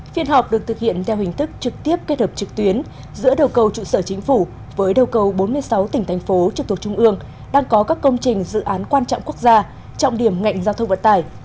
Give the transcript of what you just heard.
phiên họp được thực hiện theo hình thức trực tiếp kết hợp trực tuyến giữa đầu cầu trụ sở chính phủ với đầu cầu bốn mươi sáu tỉnh thành phố trực thuộc trung ương đang có các công trình dự án quan trọng quốc gia trọng điểm ngành giao thông vận tải